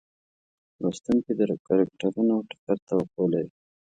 لوستونکي د کرکټرونو ټکر توقع لري.